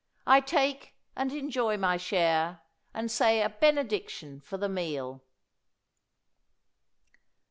I take and enjoy my share, and say a Benediction for the meal."